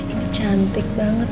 ini cantik banget